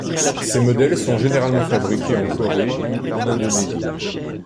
Ces modèles sont généralement fabriqués en Corée ou en Indonésie.